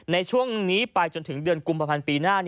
ในช่วงนี้ไปจนถึงเดือนกุมภาพันธ์ปีหน้า